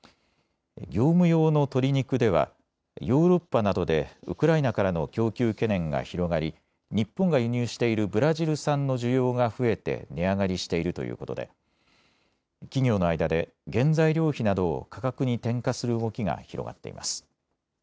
業務用の鶏肉ではヨーロッパなどでウクライナからの供給懸念が広がり日本が輸入しているブラジル産の需要が増えて値上がりしているということで企業の間で原材料費などを価格に転嫁する動きが広がっています。